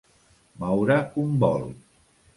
Moure un vol.